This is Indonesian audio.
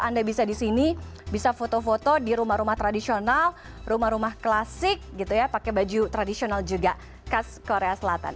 anda bisa di sini bisa foto foto di rumah rumah tradisional rumah rumah klasik gitu ya pakai baju tradisional juga khas korea selatan